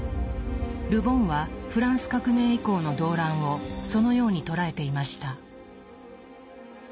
ル・ボンはフランス革命以降の動乱をそのように捉えていました。